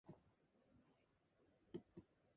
Dives can last five minutes but typically last one minute.